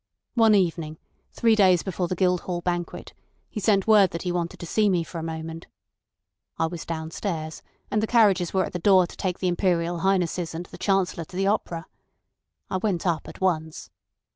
One evening, three days before the Guildhall Banquet, he sent word that he wanted to see me for a moment. I was downstairs, and the carriages were at the door to take the Imperial Highnesses and the Chancellor to the opera. I went up at once.